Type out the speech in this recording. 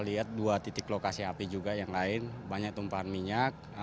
kita lihat dua titik lokasi api juga yang lain banyak tumpahan minyak